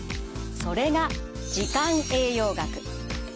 それが時間栄養学。